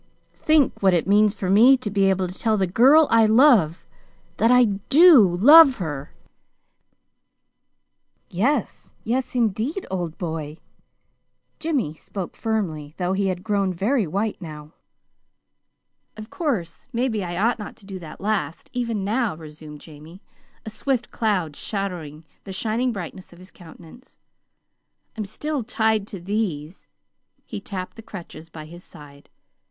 Think what it means for me to be able to tell the girl I love that I DO love her." "Yes yes, indeed, old boy!" Jimmy spoke firmly, though he had grown very white now. "Of course, maybe I ought not to do that last, even now," resumed Jamie, a swift cloud shadowing the shining brightness of his countenance. "I'm still tied to these." He tapped the crutches by his side.